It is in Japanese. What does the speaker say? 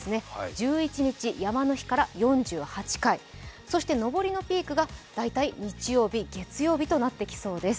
１１日、山の日から４８回、そして上りのピークが大体、日曜日、月曜日となってきそうです。